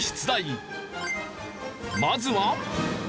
まずは。